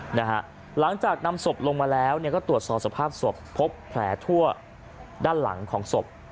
หลังจากนำศพลงมาแล้วก็ตรวจสอบสภาพศพพบแผลทั่วด้านหลังของศพ